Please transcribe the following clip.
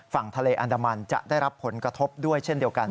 ฝั่งทะเลอันดามันจะได้รับผลกระทบด้วยเช่นเดียวกัน